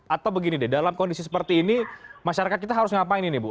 atau begini deh dalam kondisi seperti ini masyarakat kita harus ngapain ini bu